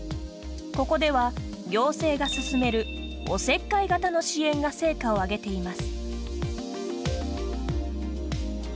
ここでは行政が進めるおせっかい型の支援が成果を上げています。